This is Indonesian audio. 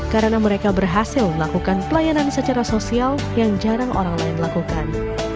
karena mereka berhasil melakukan pelayanan secara sosial yang jarang orang lain melakukan